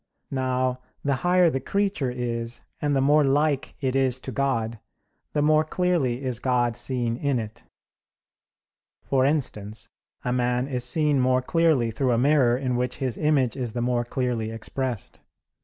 Now the higher the creature is, and the more like it is to God, the more clearly is God seen in it; for instance, a man is seen more clearly through a mirror in which his image is the more clearly expressed.